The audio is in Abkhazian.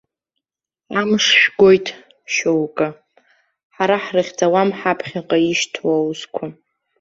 Амш жәгоит, шьоукы, ҳара ҳрыхьӡауам ҳаԥхьаҟа ишьҭоу аусқәа.